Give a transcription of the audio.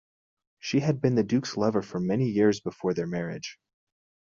She had been the Duke's lover for many years before their marriage.